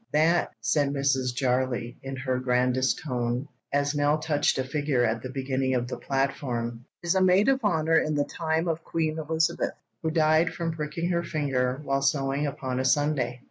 "That," said Mrs. Jarley in her grandest tone, as Nell touched a figure at the beginning of the platform, "is a maid of honour in the time of Queen Elizabeth, who died from pricking her finger while sewing upon a Sunday.